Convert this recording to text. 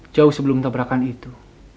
jauh sebelum tabrakan itu